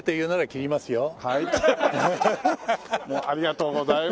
ありがとうございます。